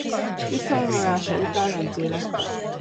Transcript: Visszavonulása után edző lett.